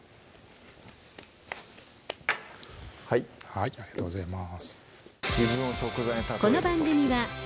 はいはいありがとうございます